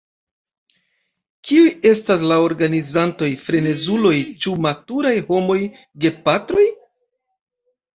Kiuj estas la organizantoj-frenezuloj, ĉu maturaj homoj, gepatroj?